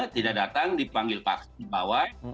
tidak datang dipanggil paksa dibawa